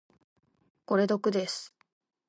これ毒です。